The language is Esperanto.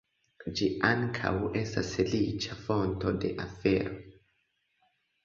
Ĝi ankaŭ estas riĉa fonto de fero.